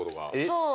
そう。